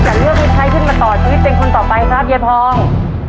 จะเลือกวิทยาลัยขึ้นมาต่อชีวิตเป็นคนต่อไปครับเยพอง